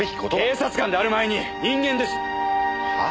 警察官である前に人間です！はあ？